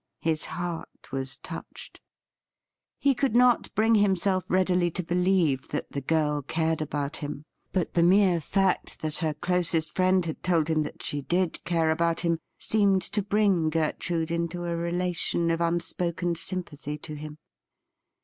His heart was touched. He could not bring himself readily to believe that the girl cared about him ; but the mere fact that her closest friend had told him that she did care about him seemed to bring Gertrude into a relation of unspoken sympathy to him.